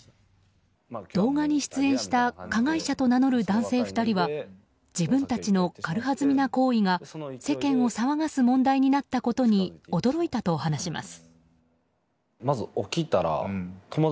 動画に出演した加害者と名乗る男性２人は自分たちの軽はずみな行為が世間を騒がす問題になったことに驚いたと話します。